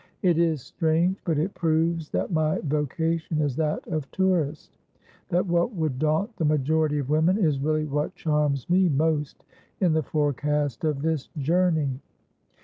It is strange, but it proves that my vocation is that of tourist, that what would daunt the majority of women is really what charms me most in the forecast of this journey."